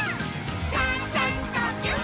「ちゃちゃんとぎゅっ」